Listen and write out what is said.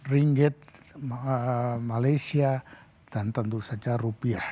ringage malaysia dan tentu saja rupiah